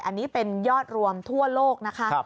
อันนี้เป็นยอดรวมทั่วโลกนะคะ